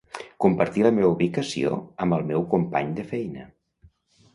Compartir la meva ubicació amb el meu company de feina.